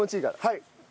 はい。